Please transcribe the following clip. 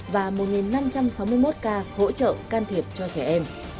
và một năm trăm sáu mươi một ca hỗ trợ can thiệp cho trẻ em